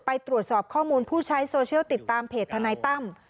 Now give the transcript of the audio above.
ไปตรวจสอบข้อมูลผู้ใช้โซเชียลติดตามเพจทนายตั้ม